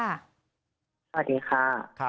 สวัสดีค่ะ